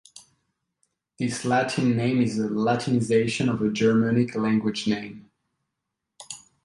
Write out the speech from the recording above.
This Latin name is a Latinisation of a Germanic language name.